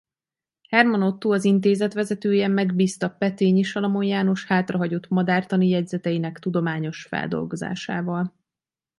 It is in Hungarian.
Herman Ottó az Intézet vezetője megbízta Petényi Salamon János hátrahagyott madártani jegyzeteinek tudományos feldolgozásával.